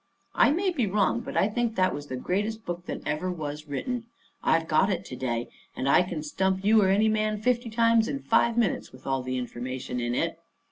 I may be wrong, but I think that was the greatest book that ever was written. I've got it to day; and I can stump you or any man fifty times in five minutes with the information in it.